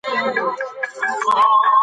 علم ډېوه روښانه ساتي.